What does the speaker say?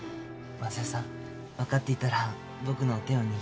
昌代さん分かっていたら僕の手を握ってください。